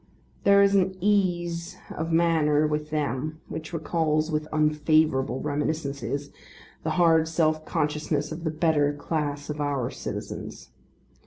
There is an ease of manner with them which recalls with unfavourable reminiscences the hard self consciousness of the better class of our citizens.